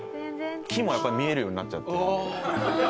木もやっぱり見えるようになっちゃってるんで。